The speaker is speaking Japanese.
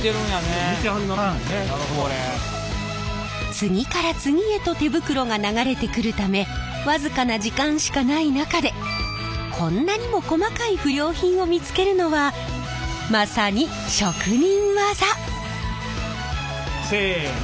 次から次へと手袋が流れてくるため僅かな時間しかない中でこんなにも細かい不良品を見つけるのはまさに職人技！せの。